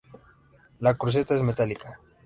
La cruceta es metálica.